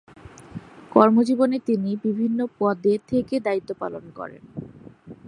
কর্মজীবনে তিনি বিভিন্ন পদে থেকে দায়িত্ব পালন করেন।